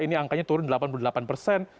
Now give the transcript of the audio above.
ini angkanya turun delapan puluh delapan persen